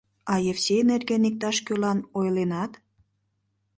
— А Евсей нерген иктаж-кӧлан ойленат?